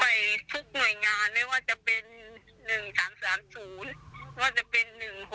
ไปทุกหน่วยงานไม่ว่าจะเป็น๑๓๓๐หรือว่าจะเป็น๑๖๖๙๑๖๖๘